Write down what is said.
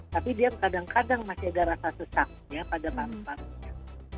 tapi dia kadang kadang masih ada rasa susah ya pada paru parunya